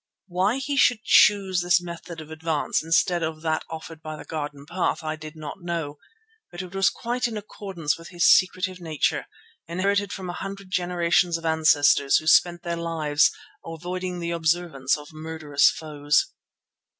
Why he should choose this method of advance instead of that offered by the garden path I did not know, but it was quite in accordance with his secretive nature, inherited from a hundred generations of ancestors who spent their lives avoiding the observation of murderous foes.